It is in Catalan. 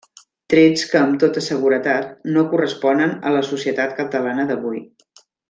Trets que amb tota seguretat no corresponen a la societat catalana d'avui.